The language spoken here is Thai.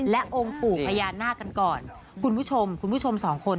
และองค์ปู่พญานาคกันก่อนคุณผู้ชมคุณผู้ชมสองคน